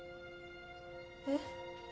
えっ？